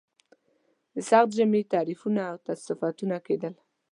د سخت ژمي تعریفونه او صفتونه کېدل.